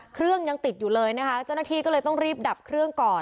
เครื่องยังติดอยู่เลยนะคะเจ้าหน้าที่ก็เลยต้องรีบดับเครื่องก่อน